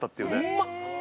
うまっ！